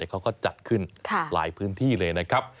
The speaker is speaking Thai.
เขาก็จัดขึ้นหลายพื้นที่เลยนะครับ